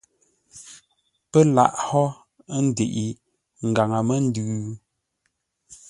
Pə́ laghʼ hó ə́ ndəiʼi ngaŋə-məndʉ?